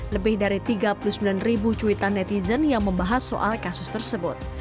lebih dari tiga puluh sembilan ribu cuitan netizen yang membahas soal kasus tersebut